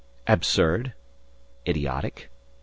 "Absurd?... Idiotic?